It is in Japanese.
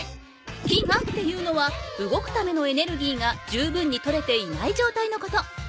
きがっていうのは動くためのエネルギーが十分に取れていないじょうたいのこと。